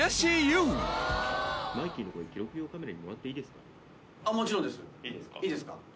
いいですか？